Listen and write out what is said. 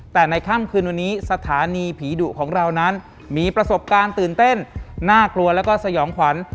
แต่ในค่ำคืนวันนี้สถานีผีดุของเรานั้นมีประสบการณ์ตื่นเต้นน่ากลัวแล้วก็สยองขวัญ